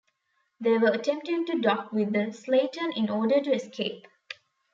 They were attempting to dock with the "Slayton" in order to escape.